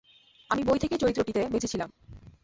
আমি বই থেকেই চরিত্রটিতে বেঁচে ছিলাম।